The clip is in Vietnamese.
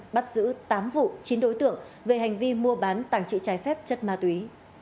bắt giữ tám vụ chín đối tượng về hành vi mua bán tàng trự trái phép chất ma túy